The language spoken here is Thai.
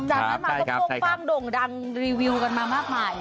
จากนั้นมันป้องบ้างด่งดังการรีวิวมากมาอยู่